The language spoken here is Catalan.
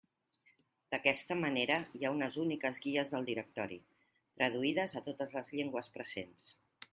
D'aquesta manera hi ha unes úniques guies del directori, traduïdes a totes les llengües presents.